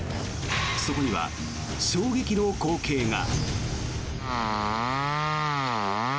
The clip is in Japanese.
そこには衝撃の光景が。